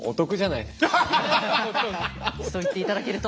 そう言って頂けると。